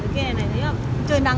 cây này này thấy không